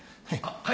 はい。